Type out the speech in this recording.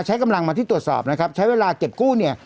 ใช้กำลังมาที่ตรวจสอบนะครับใช้เวลาเก็บกู้เนี่ย